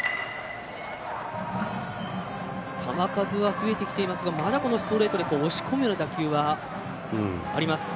球数は増えてきていますがまだストレートで押し込むような打球があります。